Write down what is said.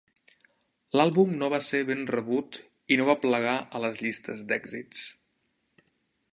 L'àlbum no va ser ben rebut i no va aplegar a les llistes d'èxits.